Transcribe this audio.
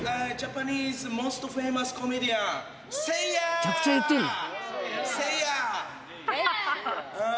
めちゃくちゃ言ってんじゃん。